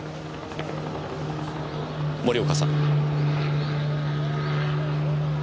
森岡さん。